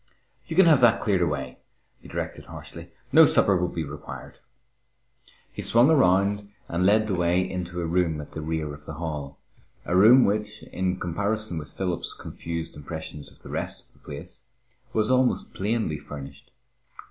"You can have that cleared away," he directed harshly. "No supper will be required." He swung around and led the way into a room at the rear of the hall, a room which, in comparison with Philip's confused impressions of the rest of the place, was almost plainly furnished.